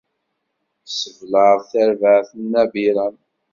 Tessebleɛ tarbaɛt n Abiram.